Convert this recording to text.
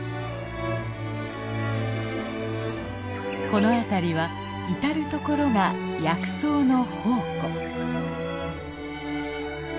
この辺りは至る所が薬草の宝庫。